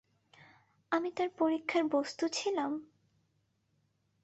আমি তার পরীক্ষার বস্তু ছিলাম?